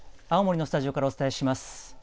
青森のスタジオからお伝えします。